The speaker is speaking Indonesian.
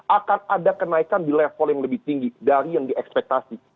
akan ada kenaikan di level yang lebih tinggi dari yang diekspektasi